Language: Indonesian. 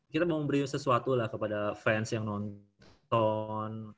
kita mau memberi sesuatu lah kepada fans yang nonton